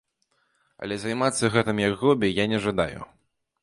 Але займацца гэтым як хобі я не жадаю.